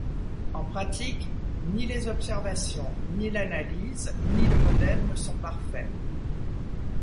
En pratique, ni les observations, ni l'analyse, ni le modèle ne sont parfaits.